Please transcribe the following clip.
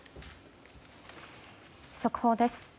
速報です。